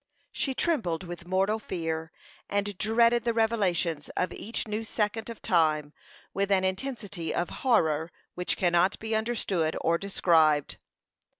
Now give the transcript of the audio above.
She trembled with mortal fear, and dreaded the revelations of each new second of time with an intensity of horror which cannot be understood or described.